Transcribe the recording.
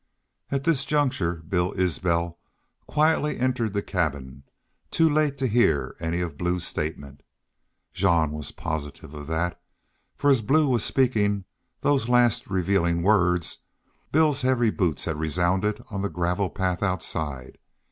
At this juncture Bill Isbel quietly entered the cabin, too late to hear any of Blue's statement. Jean was positive of that, for as Blue was speaking those last revealing words Bill's heavy boots had resounded on the gravel path outside.